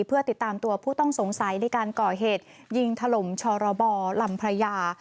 เพื่อติดตามตัวผู้ต้องสงสัยในการก่อเหตุยิงถล่มชรบลำพระยา